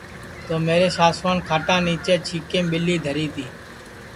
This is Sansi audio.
تو میرے ساسوان کھاٹا نیچے چھیکیم ٻیلی دھری تی